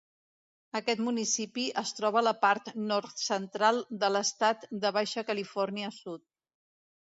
Aquest municipi es troba a la part nord-central de l'estat de Baixa Califòrnia Sud.